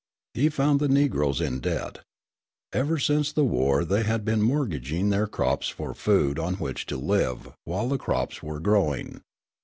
He found the Negroes in debt. Ever since the war they had been mortgaging their crops for the food on which to live while the crops were growing.